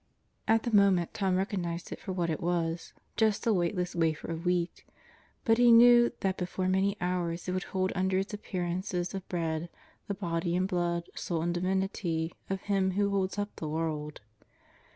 At the moment Tom recognized it for what it was: just a weightless wafer of wheat. But he knew that before many hours it would hold under its appearances of bread the Body and Blood, Soul and Divinity of Him who holds up the world.